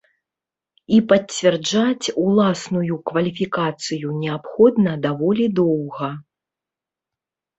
І пацвярджаць уласную кваліфікацыю неабходна даволі доўга.